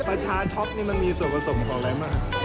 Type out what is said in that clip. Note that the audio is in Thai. ประชาช็อกนี่มันมีส่วนผสมของอะไรมาก